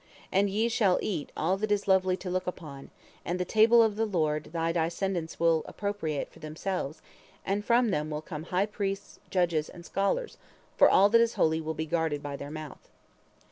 And ye shall eat all that is lovely to look upon, and the table of the Lord thy descendants will appropriate for themselves, and from them will come high priests, judges, and scholars, for all that is holy will be guarded by their mouth.'